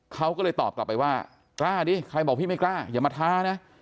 เขาก็เลยตอบกลับไปว่ากล้าดิใครบอกพี่ไม่กล้าอย่ามาท้านะ